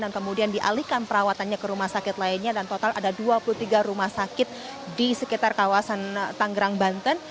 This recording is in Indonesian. dan kemudian dialihkan perawatannya ke rumah sakit lainnya dan total ada dua puluh tiga rumah sakit di sekitar kawasan tangerang banten